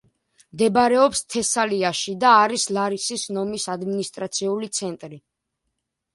მდებარეობს თესალიაში და არის ლარისას ნომის ადმინისტრაციული ცენტრი.